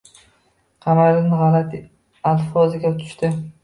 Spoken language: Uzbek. Qamariddin g‘alati alfozga tushdi